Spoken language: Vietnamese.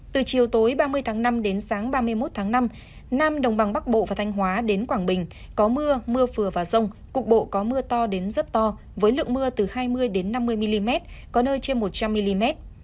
từ chiều tối ba mươi tháng năm đến sáng ba mươi một tháng năm nam đồng bằng bắc bộ và thanh hóa đến quảng bình có mưa mưa vừa và rông cục bộ có mưa to đến rất to với lượng mưa từ hai mươi năm mươi mm có nơi trên một trăm linh mm